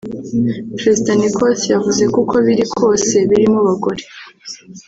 Perezida Nicos yavuze ko uko biri kose ‘birimo abagore’